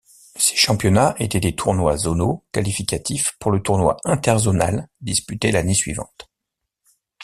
Ces championnats étaient des tournois zonaux qualificatifs pour le tournoi interzonal disputé l'année suivante.